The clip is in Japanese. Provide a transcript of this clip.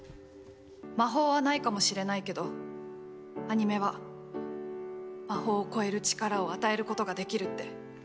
魔法はないかもしれないけどアニメは魔法を超える力を与えることができるって。